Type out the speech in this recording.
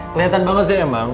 kelihatan banget sih emang